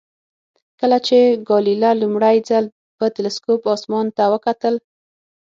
کله چې ګالیله لومړی ځل په تلسکوپ اسمان ته وکتل.